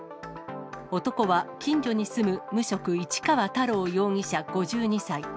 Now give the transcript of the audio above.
男は近所に住む無職、市川太郎容疑者５２歳。